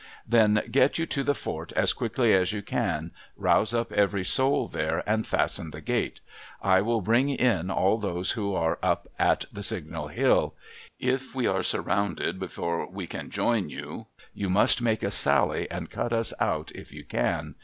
' Then get you to the Fort as quick as you can, rouse up every soul there, and fasten the gate. I will bring in all those who are up at the Signal Hill. If we are surrounded before we can join you, you must make a sally and cut us out if you can.